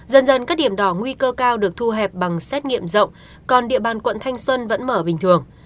dần dần các điểm đỏ nguy cơ cao được thu hẹp bằng xét nghiệm rộng còn địa bàn quận thanh xuân vẫn mở bình thường